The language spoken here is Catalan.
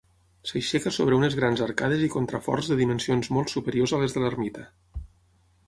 S'aixeca sobre unes grans arcades i contraforts de dimensions molt superiors a les de l'ermita.